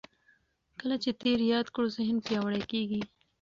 کله چې تېر یاد کړو ذهن پیاوړی کېږي.